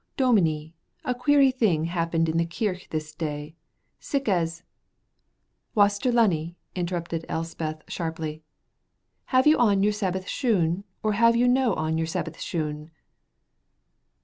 "Dominie, a queery thing happened in the kirk this day, sic as " "Waster Lunny," interrupted Elspeth sharply, "have you on your Sabbath shoon or have you no on your Sabbath shoon?"